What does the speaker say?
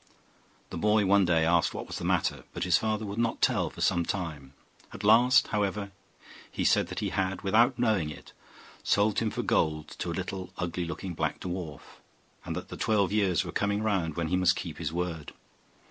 The boy one day asked what was the matter, but his father would not tell for some time; at last, however, he said that he had, without knowing it, sold him for gold to a little, ugly looking, black dwarf, and that the twelve years were coming round when he must keep his word.